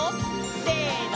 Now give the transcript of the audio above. せの！